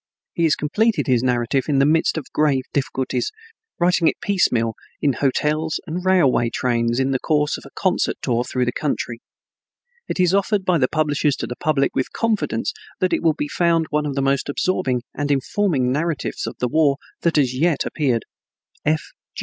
He has completed his narrative in the midst of grave difficulties, writing it piecemeal in hotels and railway trains in the course of a concert tour through the country. It is offered by the publishers to the public with confidence that it will be found one of the most absorbing and informing narratives of the war that has yet appeared.